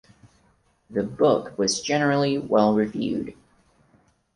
The book was generally well reviewed.